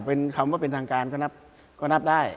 เป็นคำว่าเป็นทางการก็นับได้